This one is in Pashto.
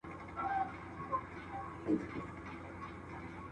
د سياسي تيوريو لوستل د زده کړيالانو لپاره خورا ګټور وو.